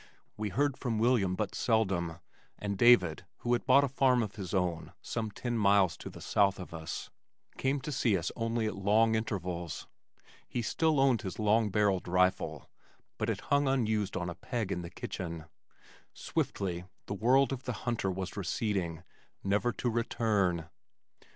We heard from William but seldom, and David, who had bought a farm of his own some ten miles to the south of us, came over to see us only at long intervals. He still owned his long barrelled rifle but it hung unused on a peg in the kitchen. Swiftly the world of the hunter was receding, never to return.